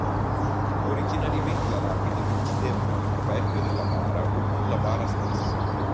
Originariamente la lapide coincideva con il coperchio della bara o con la bara stessa.